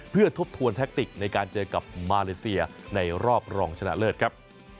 เพื่อทบทวนแทคติกในการเจอกับมาเลเซียในรอบรองชนะเลิศครับ